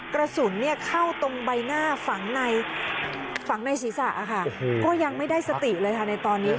กระสุนเข้าตรงใบหน้าฝังในฝังในศีรษะค่ะก็ยังไม่ได้สติเลยค่ะในตอนนี้